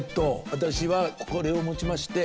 私はこれをもちまして。